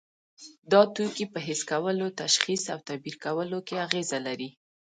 دا توکي په حس کولو، تشخیص او تعبیر کولو کې اغیزه لري.